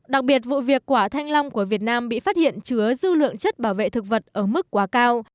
đặc biệt vụ việc quả thanh long của việt nam bị phát hiện chứa dư lượng chất bảo vệ thực vật ở mức quá cao